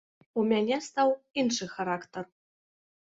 У мяне стаў іншы характар.